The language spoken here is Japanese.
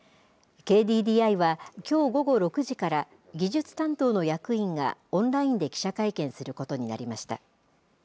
ＫＤＤＩはきょう午後６時から、技術担当の役員がオンラインで記者会見することになりました。